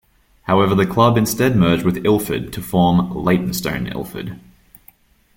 However, the club instead merged with Ilford to form Leytonstone-Ilford.